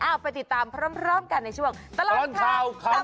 เอาไปติดตามพร้อมกันในช่วงตลอดข่าว